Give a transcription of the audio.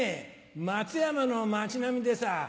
松山の街並みでさぁ。